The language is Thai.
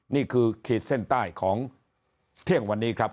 ขีดเส้นใต้ของเที่ยงวันนี้ครับ